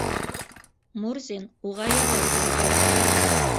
Мурзин уға яуап бирҙе: